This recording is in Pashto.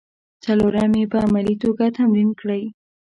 څلورم یې په عملي توګه تمرین کړئ.